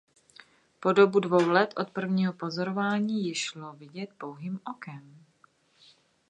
Po dobu dvou let od prvního pozorování ji šlo vidět pouhým okem.